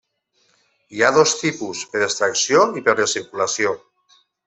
Hi ha dos tipus: per extracció i per recirculació.